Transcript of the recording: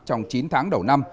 trong chín tháng đầu năm